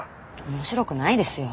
面白くないですよ。